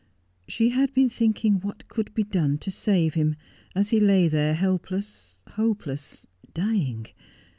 She had been thinking what could be done to save him, as he lay there helpless, hopeless, dying.